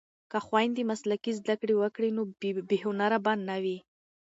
که خویندې مسلکي زده کړې وکړي نو بې هنره به نه وي.